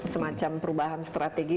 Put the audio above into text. semacam perubahan strategi